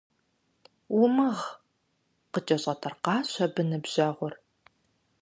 Умыгъ! – къыкӀэщӀэтӀыркъащ абы ныбжьэгъур.